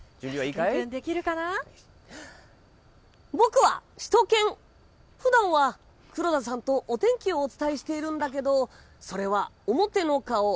僕はしゅと犬、ふだんは黒田さんとお天気をお伝えしているんだけどそれは表の顔。